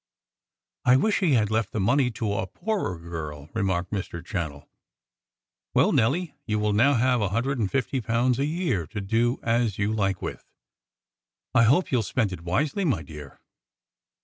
"I wish he had left the money to a poorer girl," remarked Mr. Channell. "Well, Nelly, you will now have a hundred and fifty pounds a year to do as you like with. I hope you'll spend it wisely, my dear."